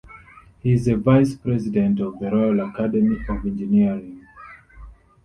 He is a Vice-President of the Royal Academy of Engineering.